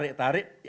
kalau di tarik tarik